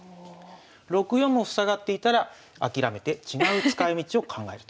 ６四も塞がっていたら諦めて違う使いみちを考えると。